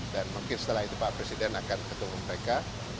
dan mungkin setelah itu bapak presiden akan ketemu mereka